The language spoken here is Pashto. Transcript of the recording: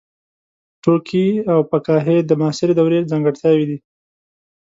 ټوکي او فکاهي د معاصرې دورې ځانګړتیاوې دي.